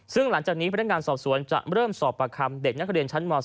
ซึ่งหลังจากนี้พนักงานสอบสวนจะเริ่มสอบประคำเด็กนักเรียนชั้นม๒